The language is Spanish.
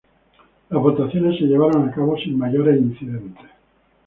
Las votaciones se llevaron a cabo sin mayores incidentes.